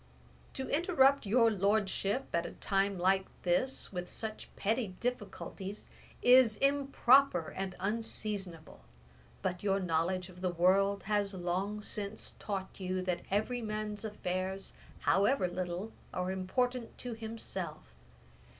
'To interrupt your Lordship, at a time like this, with such petty difficulties, is improper and unseasonable; but your knowledge of the world has long since taught you, that every man's affairs, however little, are important to himself.